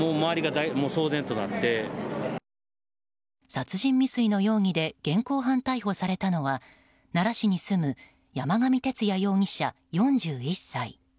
殺人未遂の容疑で現行犯逮捕されたのは奈良市に住む山上徹也容疑者、４１歳。